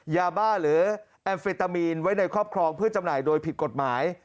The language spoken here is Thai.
ยาบ้าหรือแอมเฟตามีนไว้ในครอบครองเพื่อจำหน่ายโดยผิดกฎหมาย